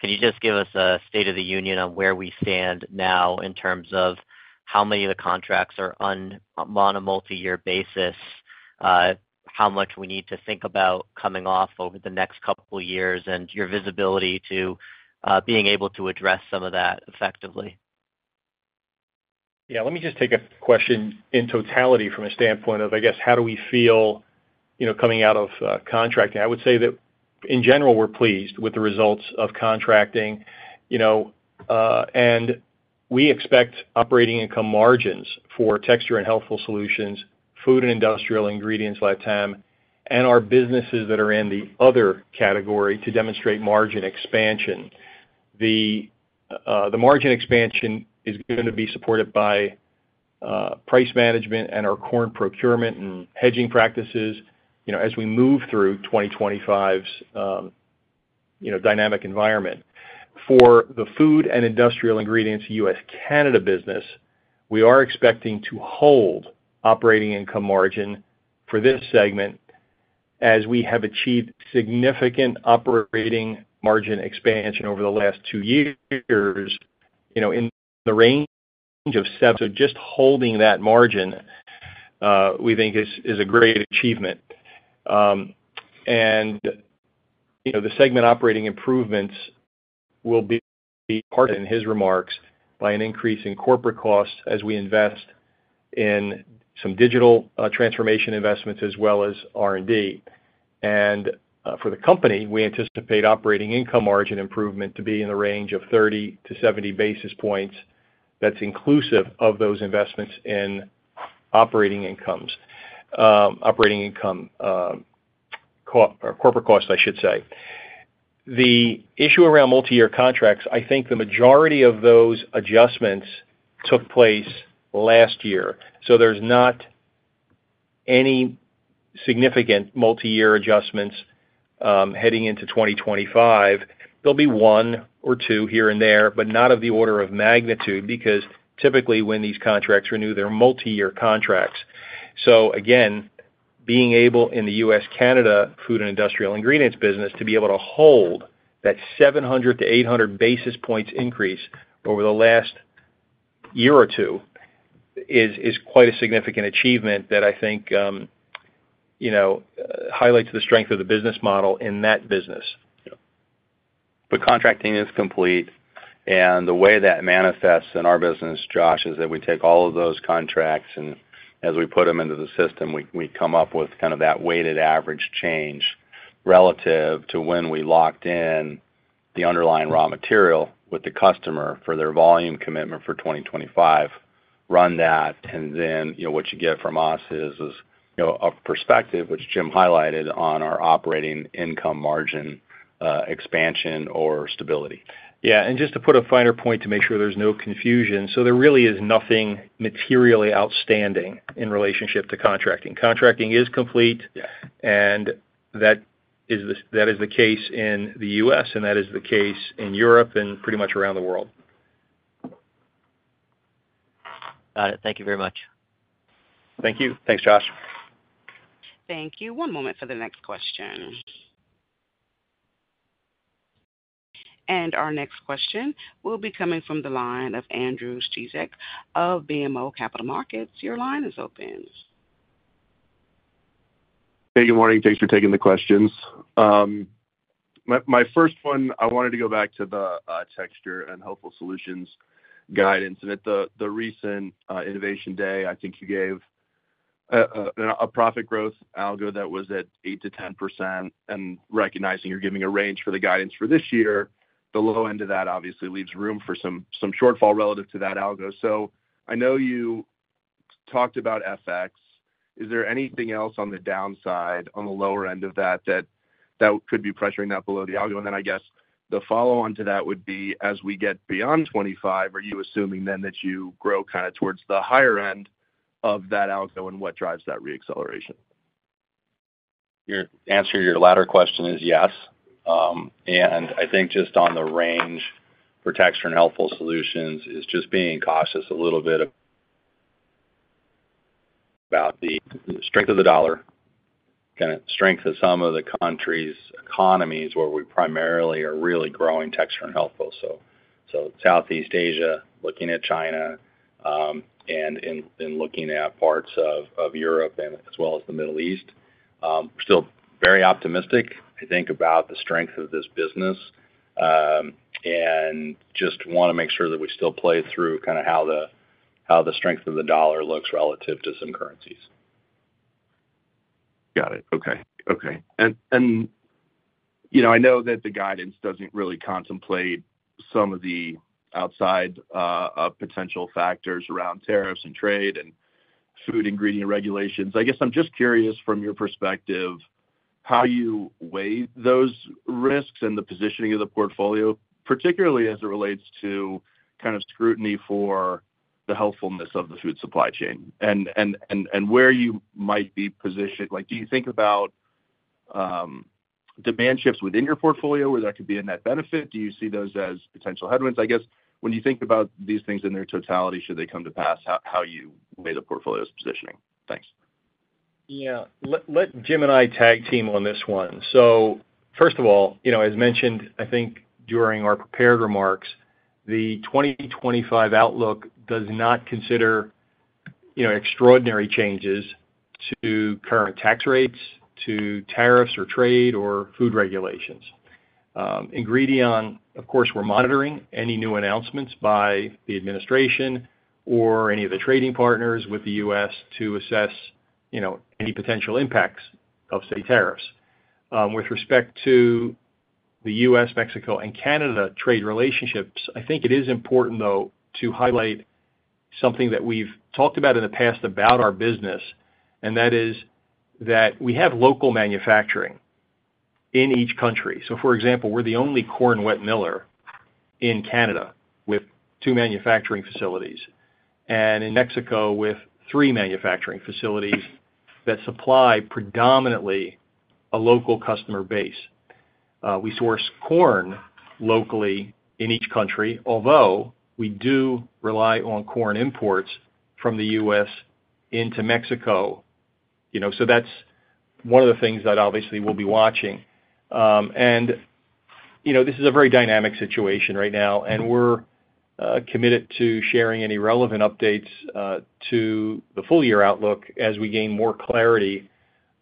can you just give us a state of the union on where we stand now in terms of how many of the contracts are on a multi-year basis, how much we need to think about coming off over the next couple of years, and your visibility to being able to address some of that effectively? Yeah, let me just take a question in totality from a standpoint of, I guess, how do we feel coming out of contracting? I would say that in general, we're pleased with the results of contracting, and we expect operating income margins for Texture and Healthful Solutions, Food and Industrial Ingredients, LATAM, and our businesses that are in the other category to demonstrate margin expansion. The margin expansion is going to be supported by price management and our corn procurement and hedging practices as we move through 2025's dynamic environment. For the Food and Industrial Ingredients U.S./Canada business, we are expecting to hold operating income margin for this segment as we have achieved significant operating margin expansion over the last two years in the range of. So just holding that margin, we think, is a great achievement. The segment operating improvements will be offset in his remarks by an increase in corporate costs as we invest in some digital transformation investments as well as R&D. For the company, we anticipate operating income margin improvement to be in the range of 30 to 70 basis points. That's inclusive of those investments in operating income, corporate costs, I should say. The issue around multi-year contracts, I think the majority of those adjustments took place last year. So there's not any significant multi-year adjustments heading into 2025. There'll be one or two here and there, but not of the order of magnitude because typically when these contracts renew, they're multi-year contracts. So again, being able in the U.S. Canada food and industrial ingredients business to be able to hold that 700-800 basis points increase over the last year or two is quite a significant achievement that I think highlights the strength of the business model in that business. But contracting is complete. And the way that manifests in our business, Josh, is that we take all of those contracts, and as we put them into the system, we come up with kind of that weighted average change relative to when we locked in the underlying raw material with the customer for their volume commitment for 2025, run that, and then what you get from us is a perspective, which Jim highlighted on our operating income margin expansion or stability. Yeah. And just to put a finer point to make sure there's no confusion, so there really is nothing materially outstanding in relationship to contracting. Contracting is complete, and that is the case in the U.S., and that is the case in Europe and pretty much around the world. Got it. Thank you very much. Thank you. Thanks, Josh. Thank you. One moment for the next question. And our next question will be coming from the line of Andrew Strelzik of BMO Capital Markets. Your line is open. Hey, good morning. Thanks for taking the questions. My first one, I wanted to go back to the Texture and Healthful Solutions guidance. And at the recent Innovation Day, I think you gave a profit growth algo that was at 8%-10%. Recognizing you're giving a range for the guidance for this year, the low end of that obviously leaves room for some shortfall relative to that algo. So I know you talked about FX. Is there anything else on the downside on the lower end of that that could be pressuring that below the algo? And then I guess the follow-on to that would be, as we get beyond 2025, are you assuming then that you grow kind of towards the higher end of that algo and what drives that reacceleration? Your answer to your latter question is yes. And I think just on the range for Texture and Healthful Solutions is just being cautious a little bit about the strength of the dollar, kind of strength of some of the countries' economies where we primarily are really growing Texture and Healthful. So Southeast Asia, looking at China, and looking at parts of Europe as well as the Middle East. Still very optimistic, I think, about the strength of this business and just want to make sure that we still play through kind of how the strength of the dollar looks relative to some currencies. Got it. Okay. Okay. And I know that the guidance doesn't really contemplate some of the outside potential factors around tariffs and trade and food ingredient regulations. I guess I'm just curious from your perspective how you weigh those risks and the positioning of the portfolio, particularly as it relates to kind of scrutiny for the healthfulness of the food supply chain and where you might be positioned? Do you think about demand shifts within your portfolio where that could be a net benefit? Do you see those as potential headwinds? I guess when you think about these things in their totality, should they come to pass, how you weigh the portfolio's positioning? Thanks. Yeah. Let Jim and I tag team on this one. So first of all, as mentioned, I think during our prepared remarks, the 2025 outlook does not consider extraordinary changes to current tax rates, to tariffs or trade or food regulations. Ingredion, of course, we're monitoring any new announcements by the administration or any of the trading partners with the U.S. to assess any potential impacts of, say, tariffs. With respect to the U.S., Mexico, and Canada trade relationships, I think it is important, though, to highlight something that we've talked about in the past about our business, and that is that we have local manufacturing in each country. So for example, we're the only corn wet miller in Canada with two manufacturing facilities and in Mexico with three manufacturing facilities that supply predominantly a local customer base. We source corn locally in each country, although we do rely on corn imports from the U.S. into Mexico. So that's one of the things that obviously we'll be watching. And this is a very dynamic situation right now, and we're committed to sharing any relevant updates to the full-year outlook as we gain more clarity.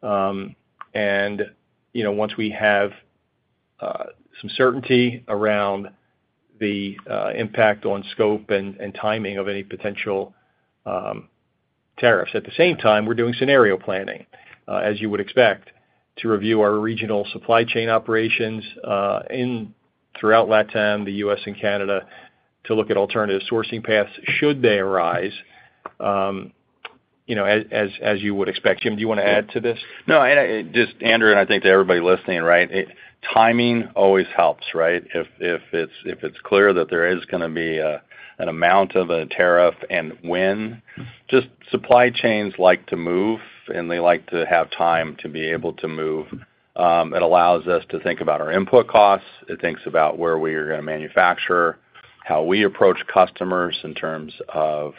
And once we have some certainty around the impact on scope and timing of any potential tariffs. At the same time, we're doing scenario planning, as you would expect, to review our regional supply chain operations throughout LATAM, the U.S., and Canada to look at alternative sourcing paths should they arise, as you would expect. Jim, do you want to add to this? No, just Andrew, and I think to everybody listening, right? Timing always helps, right? If it's clear that there is going to be an amount of a tariff and when, just supply chains like to move, and they like to have time to be able to move. It allows us to think about our input costs. It thinks about where we are going to manufacture, how we approach customers in terms of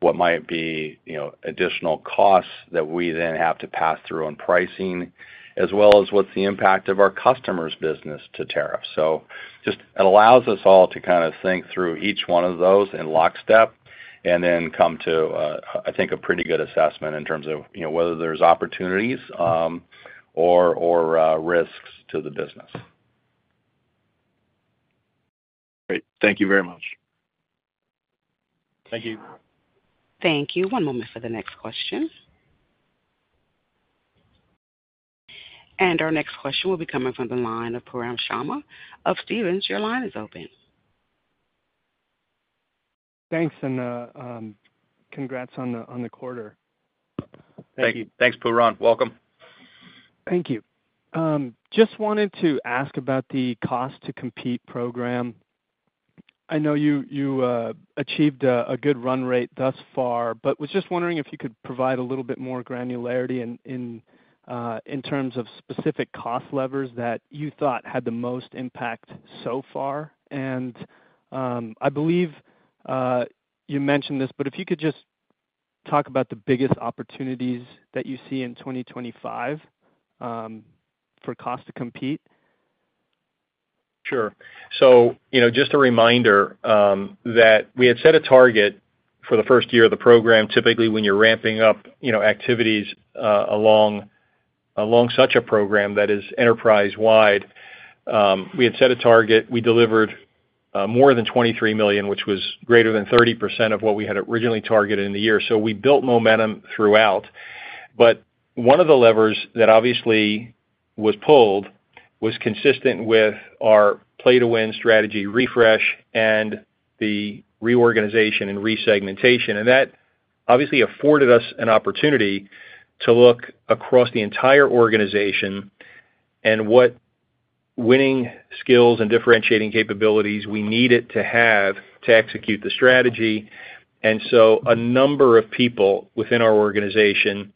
what might be additional costs that we then have to pass through on pricing, as well as what's the impact of our customer's business to tariffs. So just it allows us all to kind of think through each one of those in lockstep and then come to, I think, a pretty good assessment in terms of whether there's opportunities or risks to the business. Great. Thank you very much. Thank you. Thank you. One moment for the next question, and our next question will be coming from the line of Pooran Sharma of Stephens. Your line is open. Thanks, and congrats on the quarter. Thank you. Thanks, Pooran. Welcome. Thank you. Just wanted to ask about the Cost-to-Compete program. I know you achieved a good run rate thus far, but was just wondering if you could provide a little bit more granularity in terms of specific cost levers that you thought had the most impact so far, and I believe you mentioned this, but if you could just talk about the biggest opportunities that you see in 2025 for Cost-to-compete. Sure, so just a reminder that we had set a target for the first year of the program. Typically, when you're ramping up activities along such a program that is enterprise-wide, we had set a target. We delivered more than $23 million, which was greater than 30% of what we had originally targeted in the year. So we built momentum throughout. But one of the levers that obviously was pulled was consistent with our play-to-win strategy refresh and the reorganization and resegmentation. And that obviously afforded us an opportunity to look across the entire organization and what winning skills and differentiating capabilities we needed to have to execute the strategy. And so a number of people within our organization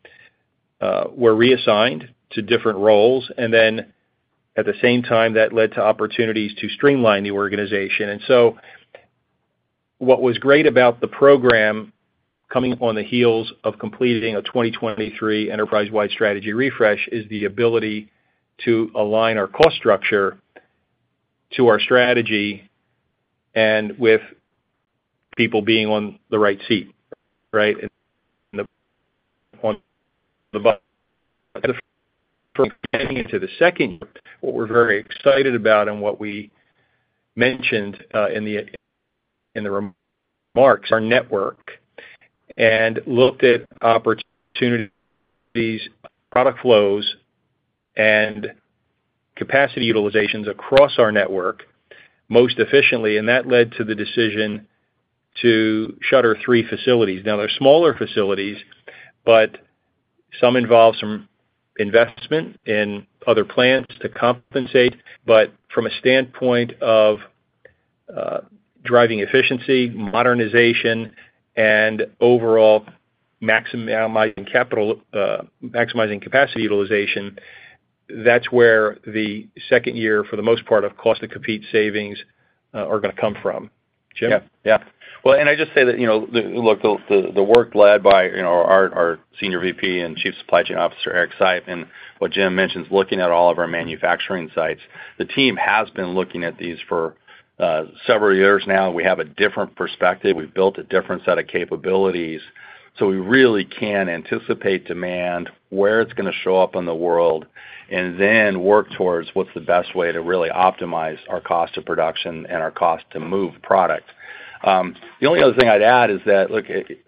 were reassigned to different roles. And then at the same time, that led to opportunities to streamline the organization. And so what was great about the program coming on the heels of completing a 2023 enterprise-wide strategy refresh is the ability to align our cost structure to our strategy and with people being on the right seat, right? The buzz for getting into the second year, what we're very excited about and what we mentioned in the remarks, our network and looked at opportunities, product flows, and capacity utilizations across our network most efficiently. And that led to the decision to shutter three facilities. Now, they're smaller facilities, but some involve some investment in other plants to compensate. But from a standpoint of driving efficiency, modernization, and overall maximizing capacity utilization, that's where the second year, for the most part, of Cost-to-Compete savings are going to come from. Jim? Yeah. Yeah. Well, and I just say that, look, the work led by our Senior Vice President and Chief Supply Chain Officer, Eric Seip, what Jim mentioned, looking at all of our manufacturing sites. The team has been looking at these for several years now. We have a different perspective. We've built a different set of capabilities. So we really can anticipate demand, where it's going to show up in the world, and then work towards what's the best way to really optimize our cost-to-production and our cost-to-move product. The only other thing I'd add is that, look,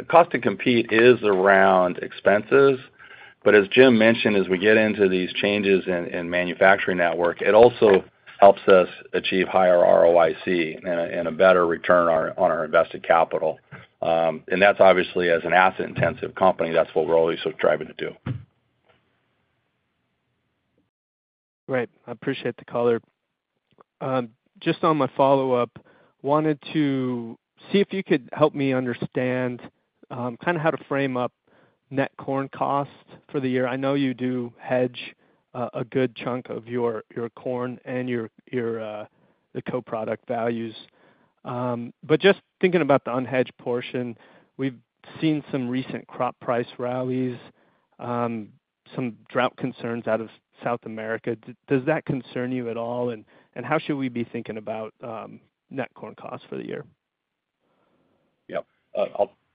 Cost-to-Compete is around expenses. But as Jim mentioned, as we get into these changes in manufacturing network, it also helps us achieve higher ROIC and a better return on our invested capital. That's obviously, as an asset-intensive company, what we're always driving to do. Right. I appreciate the color. Just on my follow-up, I wanted to see if you could help me understand kind of how to frame up net corn costs for the year. I know you do hedge a good chunk of your corn and the co-product values. But just thinking about the unhedged portion, we've seen some recent crop price rallies, some drought concerns out of South America. Does that concern you at all? And how should we be thinking about net corn costs for the year? Yeah.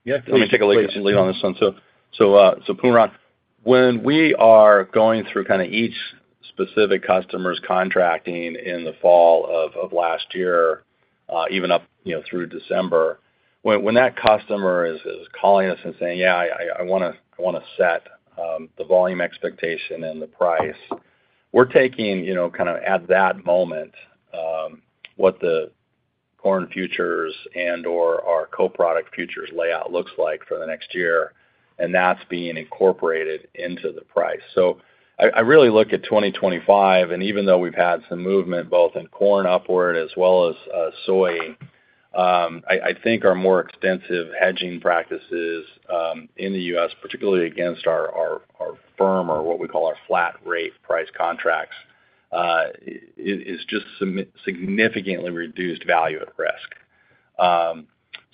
Let me take a lead on this one. So Pooran, when we are going through kind of each specific customer's contracting in the fall of last year, even up through December, when that customer is calling us and saying, "Yeah, I want to set the volume expectation and the price," we're taking kind of at that moment what the corn futures and/or our co-product futures layout looks like for the next year, and that's being incorporated into the price. So I really look at 2025. And even though we've had some movement both in corn upward as well as soy, I think our more extensive hedging practices in the U.S., particularly against our firm or what we call our flat-rate price contracts, is just significantly reduced value at risk.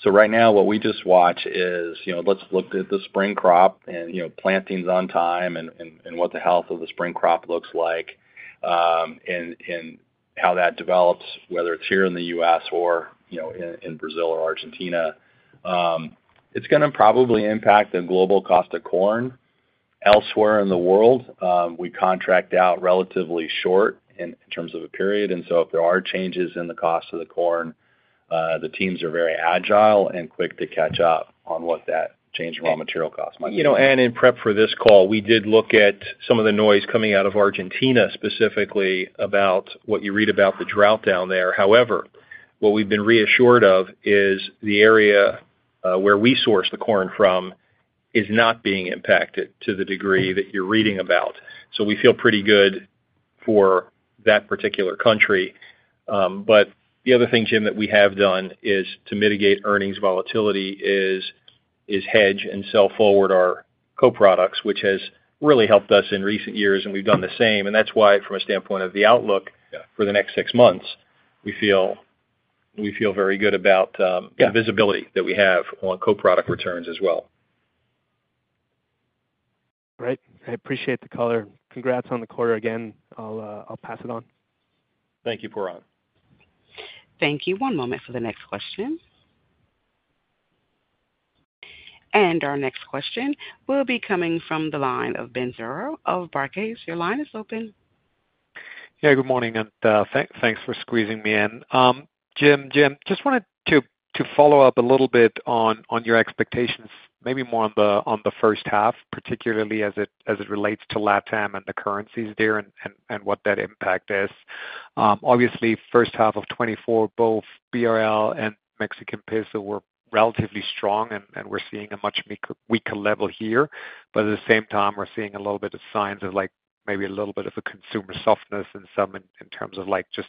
So right now, what we just watch is let's look at the spring crop and plantings on time and what the health of the spring crop looks like and how that develops, whether it's here in the U.S. or in Brazil or Argentina. It's going to probably impact the global cost of corn elsewhere in the world. We contract out relatively short in terms of a period. And so if there are changes in the cost of the corn, the teams are very agile and quick to catch up on what that change in raw material cost might be. In prep for this call, we did look at some of the noise coming out of Argentina specifically about what you read about the drought down there. However, what we've been reassured of is the area where we source the corn from is not being impacted to the degree that you're reading about. So we feel pretty good for that particular country. But the other thing, Jim, that we have done is to mitigate earnings volatility is hedge and sell forward our co-products, which has really helped us in recent years, and we've done the same. And that's why, from a standpoint of the outlook for the next six months, we feel very good about the visibility that we have on co-product returns as well. All right. I appreciate the color. Congrats on the quarter again. I'll pass it on. Thank you, Pooran. Thank you. One moment for the next question. Our next question will be coming from the line of Ben Theurer of Barclays. Your line is open. Yeah. Good morning. And thanks for squeezing me in. Jim, just wanted to follow up a little bit on your expectations, maybe more on the first half, particularly as it relates to LATAM and the currencies there and what that impact is. Obviously, first half of 2024, both BRL and Mexican peso were relatively strong, and we're seeing a much weaker level here. But at the same time, we're seeing a little bit of signs of maybe a little bit of a consumer softness in some in terms of just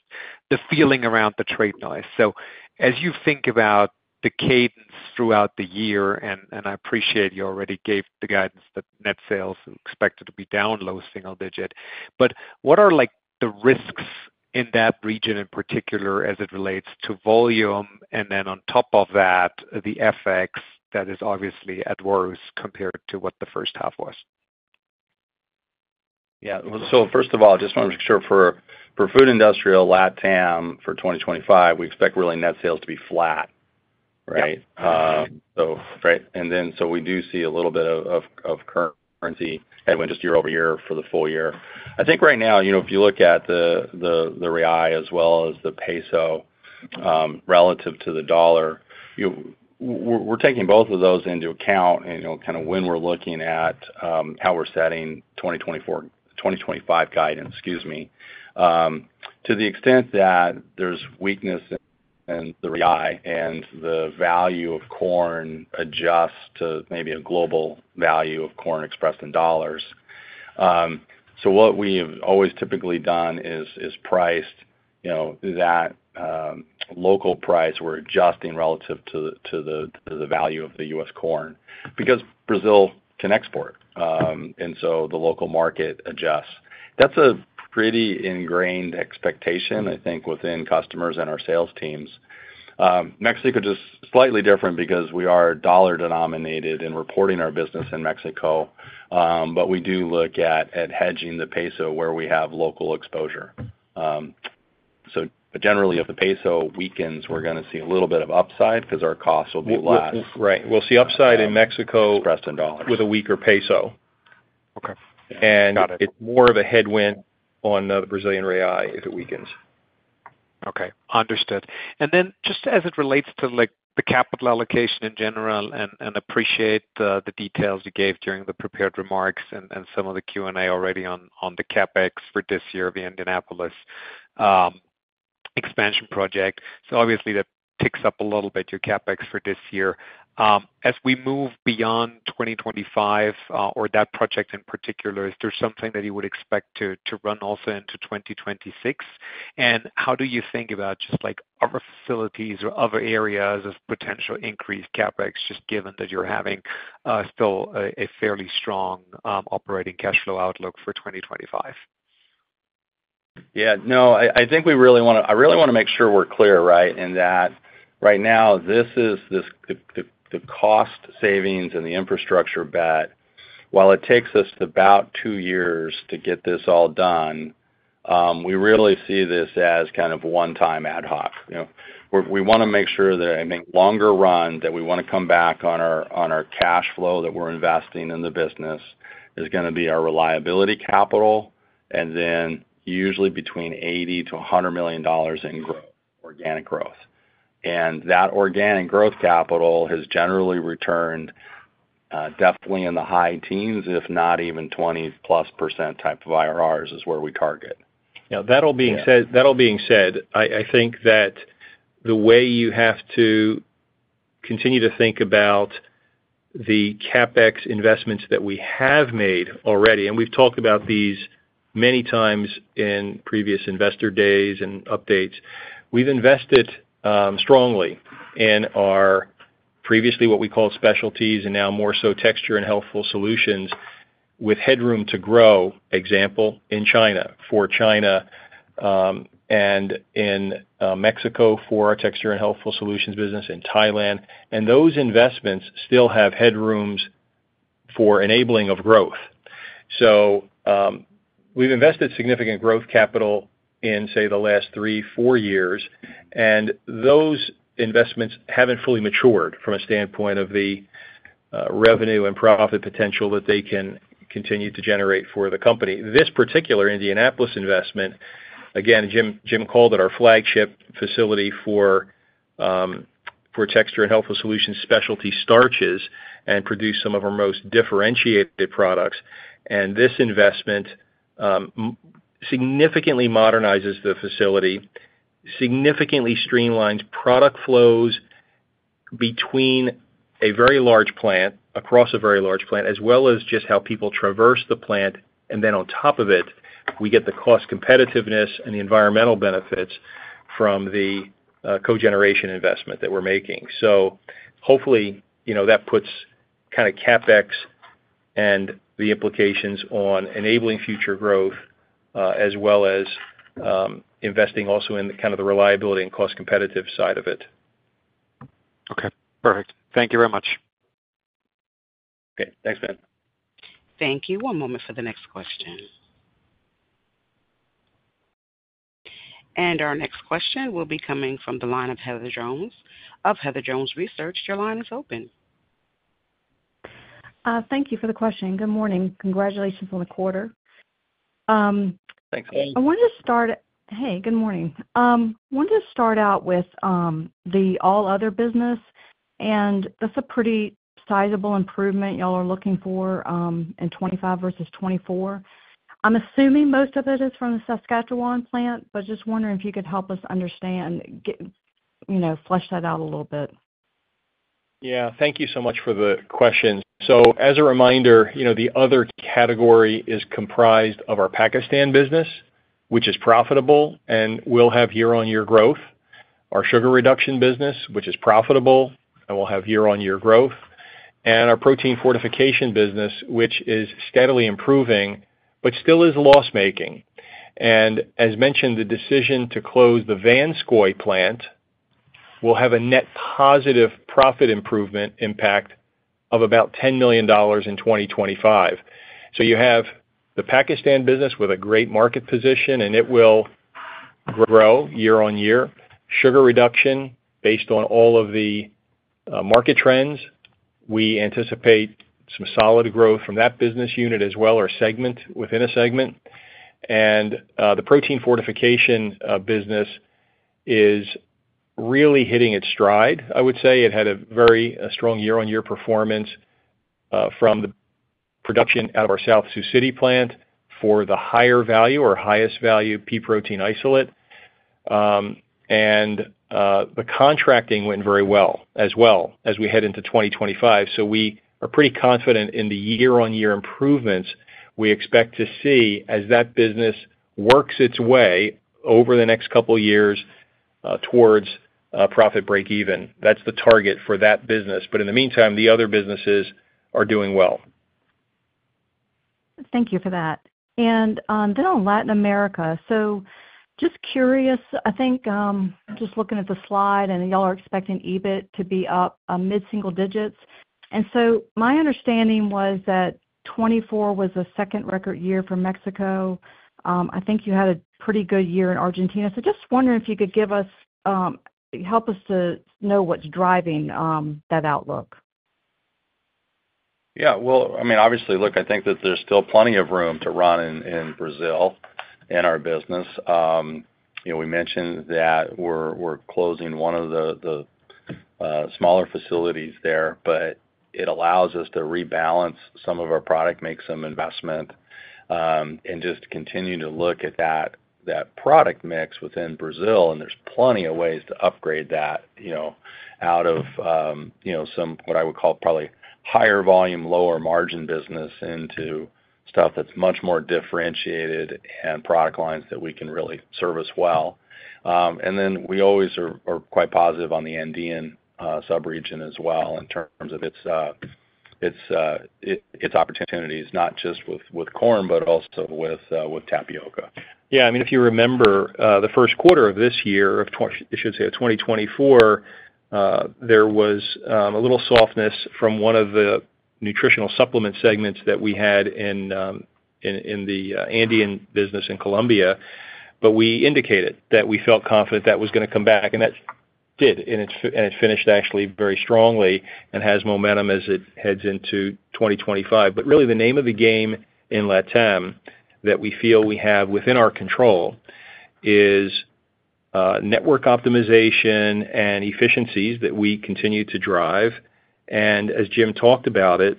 the feeling around the trade noise. So as you think about the cadence throughout the year, and I appreciate you already gave the guidance that net sales are expected to be down low single digit, but what are the risks in that region in particular as it relates to volume? And then on top of that, the FX that is obviously adverse compared to what the first half was. Yeah. So first of all, just want to make sure for Food and Industrial LATAM for 2025, we expect really net sales to be flat, right? Right. And then so we do see a little bit of currency headwind just year over year for the full year. I think right now, if you look at the real as well as the peso relative to the dollar, we're taking both of those into account and kind of when we're looking at how we're setting 2025 guidance, excuse me, to the extent that there's weakness in the real and the value of corn adjusts to maybe a global value of corn expressed in dollars. So what we have always typically done is priced that local price we're adjusting relative to the value of the U.S. corn because Brazil can export. And so the local market adjusts. That's a pretty ingrained expectation, I think, within customers and our sales teams. Mexico is just slightly different because we are dollar-denominated in reporting our business in Mexico. But we do look at hedging the peso where we have local exposure. So generally, if the peso weakens, we're going to see a little bit of upside because our costs will be less. Right. We'll see upside in Mexico with a weaker peso. And it's more of a headwind on the Brazilian real if it weakens. Okay. Understood. And then just as it relates to the capital allocation in general, and appreciate the details you gave during the prepared remarks and some of the Q&A already on the CapEx for this year of the Indianapolis expansion project. So obviously, that picks up a little bit your CapEx for this year. As we move beyond 2025 or that project in particular, is there something that you would expect to run also into 2026? And how do you think about just other facilities or other areas of potential increased CapEx, just given that you're having still a fairly strong operating cash flow outlook for 2025? Yeah. No, I think we really want to make sure we're clear, right, in that right now, this is the cost savings and the infrastructure bet. While it takes us about two years to get this all done, we really see this as kind of one-time ad hoc. We want to make sure that, I mean, longer run, that we want to come back on our cash flow that we're investing in the business is going to be our reliability capital, and then usually between $80 million-$100 million in organic growth. And that organic growth capital has generally returned definitely in the high teens, if not even 20%+ type of IRRs is where we target. Now, that all being said, I think that the way you have to continue to think about the CapEx investments that we have made already, and we've talked about these many times in previous investor days and updates, we've invested strongly in our previously what we called specialties and now more so Texture and Healthful Solutions with headroom to grow, example in China for China and in Mexico for our Texture and Healthful Solutions business in Thailand. And those investments still have headrooms for enabling of growth. So we've invested significant growth capital in, say, the last three, four years. And those investments haven't fully matured from a standpoint of the revenue and profit potential that they can continue to generate for the company. This particular Indianapolis investment, again, Jim called it our flagship facility for texture and healthful solution specialty starches and produced some of our most differentiated products. And this investment significantly modernizes the facility, significantly streamlines product flows between a very large plant, across a very large plant, as well as just how people traverse the plant. And then on top of it, we get the cost competitiveness and the environmental benefits from the cogeneration investment that we're making. So hopefully, that puts kind of CapEx and the implications on enabling future growth as well as investing also in kind of the reliability and cost competitive side of it. Okay. Perfect. Thank you very much. Okay. Thanks, Ben. Thank you. One moment for the next question. And our next question will be coming from the line of Heather Jones of Heather Jones Research. Your line is open. Thank you for the question. Good morning. Congratulations on the quarter. Thanks. I wanted to start, hey, good morning. I wanted to start out with the all-other business, and that's a pretty sizable improvement y'all are looking for in 2025 versus 2024. I'm assuming most of it is from the Saskatchewan plant, but just wondering if you could help us understand, flesh that out a little bit. Yeah. Thank you so much for the questions. So as a reminder, the other category is comprised of our Pakistan business, which is profitable, and we'll have year-on-year growth. Our sugar reduction business, which is profitable, and we'll have year-on-year growth and our protein fortification business, which is steadily improving but still is loss-making and as mentioned, the decision to close the Vanscoy plant will have a net positive profit improvement impact of about $10 million in 2025. So you have the Pakistan business with a great market position, and it will grow year on year. Sugar reduction, based on all of the market trends, we anticipate some solid growth from that business unit as well or segment within a segment. And the protein fortification business is really hitting its stride, I would say. It had a very strong year-on-year performance from the production out of our South Sioux City plant for the higher value or highest value pea protein isolate. And the contracting went very well as well as we head into 2025. So we are pretty confident in the year-on-year improvements we expect to see as that business works its way over the next couple of years towards profit break-even. That's the target for that business. But in the meantime, the other businesses are doing well. Thank you for that. And then on Latin America, so just curious. I think just looking at the slide, and y'all are expecting EBIT to be up mid-single-digit. And so my understanding was that 2024 was a second record year for Mexico. I think you had a pretty good year in Argentina. So just wondering if you could help us to know what's driving that outlook. Yeah. Well, I mean, obviously, look. I think that there's still plenty of room to run in Brazil in our business. We mentioned that we're closing one of the smaller facilities there, but it allows us to rebalance some of our product, make some investment, and just continue to look at that product mix within Brazil. And there's plenty of ways to upgrade that out of some what I would call probably higher volume, lower margin business into stuff that's much more differentiated and product lines that we can really service well. And then we always are quite positive on the Andean subregion as well in terms of its opportunities, not just with corn, but also with tapioca. Yeah. I mean, if you remember the first quarter of this year, I should say of 2024, there was a little softness from one of the nutritional supplement segments that we had in the Andean business in Colombia. But we indicated that we felt confident that was going to come back. And that did. And it finished actually very strongly and has momentum as it heads into 2025. But really, the name of the game in LATAM that we feel we have within our control is network optimization and efficiencies that we continue to drive. And as Jim talked about it,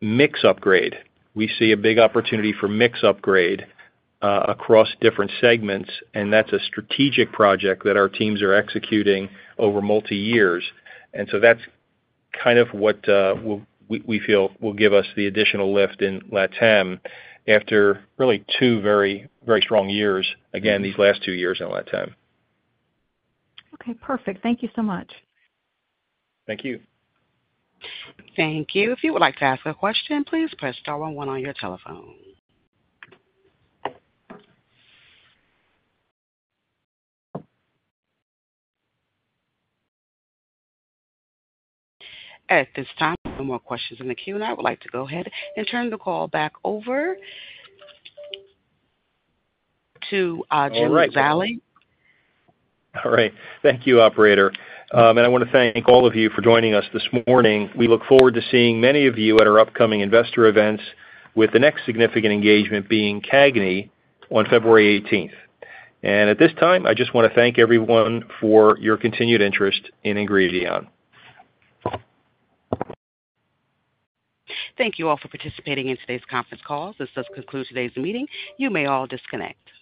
mix upgrade. We see a big opportunity for mix upgrade across different segments. And that's a strategic project that our teams are executing over multi-years. And so that's kind of what we feel will give us the additional lift in LATAM after really two very strong years, again, these last two years in LATAM. Okay. Perfect. Thank you so much. Thank you. Thank you. If you would like to ask a question, please press star one one on your telephone. At this time, no more questions in the Q&A. I would like to go ahead and turn the call back over to Jim Zallie. All right. Thank you, Operator. I want to thank all of you for joining us this morning. We look forward to seeing many of you at our upcoming investor events, with the next significant engagement being CAGNY on February 18th. At this time, I just want to thank everyone for your continued interest in Ingredion. Thank you all for participating in today's conference call. This does conclude today's meeting. You may all disconnect.